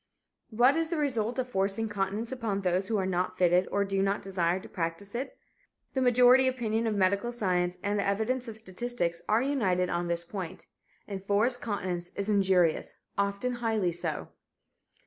What is the result of forcing continence upon those who are not fitted or do not desire to practice it? The majority opinion of medical science and the evidence of statistics are united on this point. Enforced continence is injurious often highly so.